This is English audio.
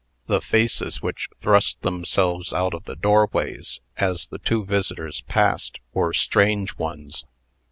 The faces which thrust themselves out of the doorways as the two visitors passed, were strange ones.